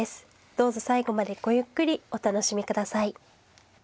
どうぞ最後までごゆっくりお楽しみ下さい。